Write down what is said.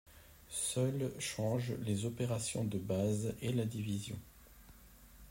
Seules changent les opérations de base, et la division.